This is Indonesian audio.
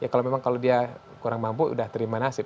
kalau memang kalau dia kurang mampu sudah terima nasib